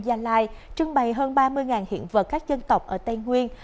gia lai trưng bày hơn ba mươi hiện vật các dân tộc ở tây nguyên